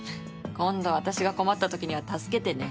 今度、私が困った時には助けてね。